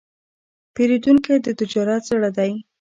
پیرودونکی د تجارت زړه دی.